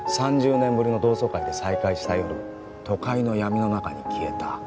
３０年ぶりの同窓会で再会した夜都会の闇の中に消えた。